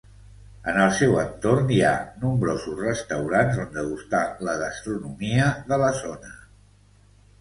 En el seu entorn hi ha nombrosos restaurants on degustar la gastronomia de la zona.